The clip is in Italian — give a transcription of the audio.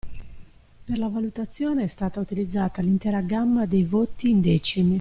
Per la valutazione è stata utilizzata l'intera gamma dei voti in decimi.